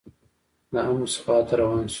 د حمص خوا ته روان شو.